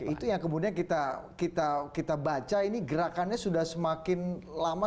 itu yang kemudian kita baca ini gerakannya sudah semakin lama